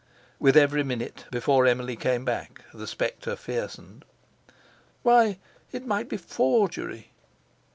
With every minute before Emily came back the spectre fiercened. Why, it might be forgery!